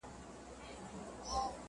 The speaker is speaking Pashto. • په مخه دي د اور ګلونه_